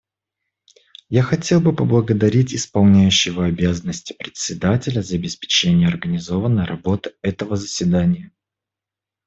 Я хотел бы поблагодарить Исполняющего обязанности Председателя за обеспечение организованной работы этого заседания.